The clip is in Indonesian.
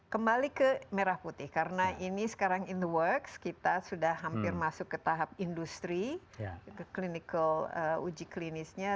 kembali ke merah putih karena ini sekarang in the works kita sudah hampir masuk ke tahap industri ke clinical uji klinisnya